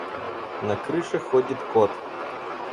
На крыше ходит кот.